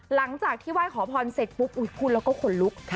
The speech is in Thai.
หลังจากที่ไหว้ขอพรเสร็จปุ๊บอุ๊ยพูดแล้วก็ขนลุก